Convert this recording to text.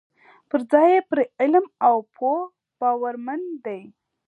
پر ځای یې پر علم او پوه باورمن دي.